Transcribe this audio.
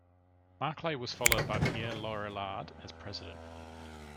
Maclay was followed by Pierre Lorillard as president.